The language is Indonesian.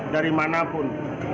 dari mana pun